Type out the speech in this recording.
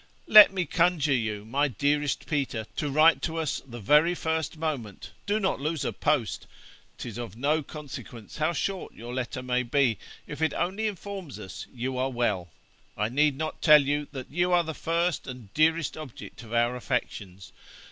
Let me conjure you, my dearest Peter, to write to us the very first moment do not lose a post 'tis of no consequence how short your letter may be, if it only informs us you are well. I need not tell you that you are the first and dearest object of our affections.